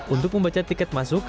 untuk membaca tiket masuk